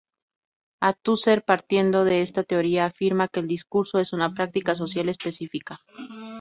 Althusser, partiendo de esta teoría, afirma que el discurso es una práctica social específica.